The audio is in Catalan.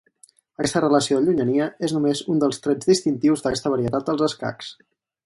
Aquesta relació de llunyania és només un dels trets distintius d'aquesta varietat dels escacs.